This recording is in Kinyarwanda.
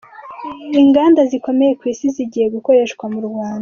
Inganda zikomeye kw’isi zigiye gukoreshwa mu Rwanda